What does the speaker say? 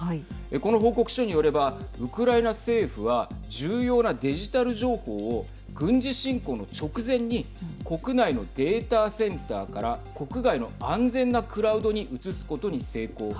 この報告書によればウクライナ政府は重要なデジタル情報を軍事侵攻の直前に国内のデータセンターから国外の安全なクラウドに移すことに成功。